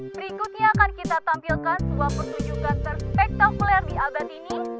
berikutnya akan kita tampilkan sebuah pertunjukan terspektakuler di abad ini